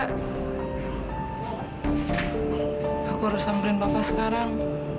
aku harus samberin papa sekarang